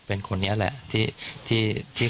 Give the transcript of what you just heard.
เป็นคนนี้แหละ